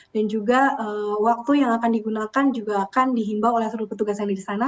dan juga waktu yang akan digunakan juga akan dihimbau oleh seluruh petugas yang ada di sana